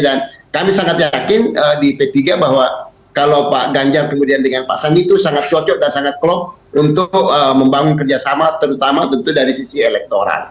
dan kami sangat yakin di p tiga bahwa kalau pak ganjar kemudian dengan pak sandi itu sangat cocok dan sangat klok untuk membangun kerjasama terutama tentu dari sisi elektoral